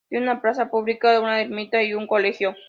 Tiene una plaza pública, una ermita y un colegio.